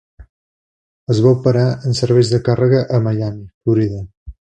Es va operar en serveis de càrrega a Miami, Florida.